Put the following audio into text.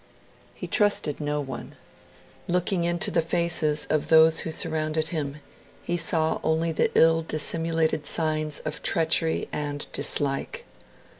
He trusted no one. Looking into the faces of those who surrounded him, he saw only the ill dissimulated signs of treachery and dislike.